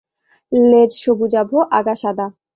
লেজ সবুজাভ, আগা সাদা।